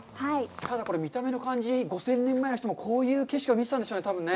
ただ、これ見た目の感じ、５０００年前の人も、こういう景色を見てたんでしょうね、多分ね。